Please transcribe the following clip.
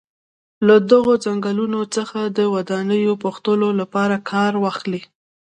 له دغو څنګلونو څخه د ودانیو پوښلو لپاره کار اخلي.